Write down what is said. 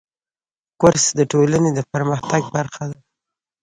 کورس د ټولنې د پرمختګ برخه ده.